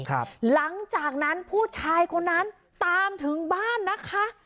หลังจากนั้นผู้ชายคนนั้นตามถึงบ้านนะคะ